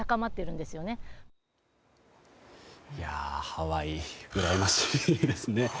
ハワイうらやましいですね。